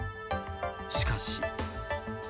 しかし。